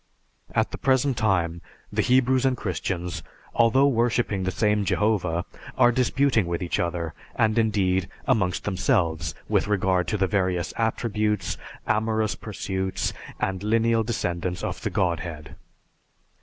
At the present time, the Hebrews and Christians, although worshiping the same Jehovah, are disputing with each other, and indeed, amongst themselves, with regard to the various attributes, amorous pursuits, and lineal descendants of the Godhead.